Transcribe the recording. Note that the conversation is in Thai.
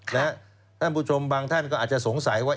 ท่านผู้ชมบางท่านก็อาจจะสงสัยว่า